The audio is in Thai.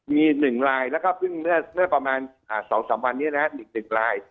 มี๑ลายแล้วก็เพิ่งเนื้อประมาณ๒๓วันนี้แล้ว๑ลาย